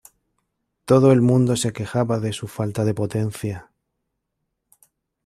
Todo el mundo se quejaba de su falta de potencia.